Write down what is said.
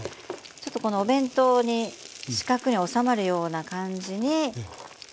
ちょっとこのお弁当に四角に納まるような感じに焼いていきます。